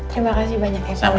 terima kasih banyak ya uia